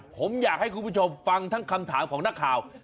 ผมอยากให้คุณผู้ชมฟังทั้งคำถามของนักข่าว